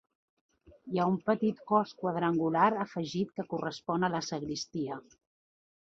Hi ha un petit cos quadrangular afegit que correspon a la sagristia.